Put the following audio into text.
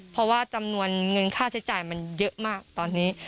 เพราะว่าจำนวนเงินค่าใช้จ่ายมันเยอะมากตอนนี้